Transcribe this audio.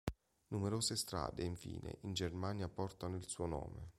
Numerose strade, infine, in Germania portano il suo nome.